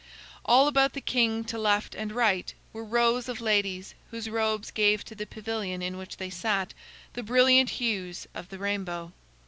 All about the king to left and right were rows of ladies whose robes gave to the pavilion in which they sat the brilliant hues of the rainbow.